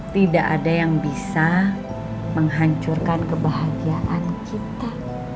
tidak ada yang bisa menghancurkan kebahagiaan kita